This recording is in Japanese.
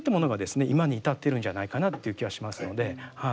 今に至ってるんじゃないかなっていう気はしますのでは